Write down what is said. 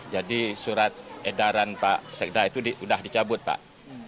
jadi surat edaran pak sekda itu sudah dicabut pak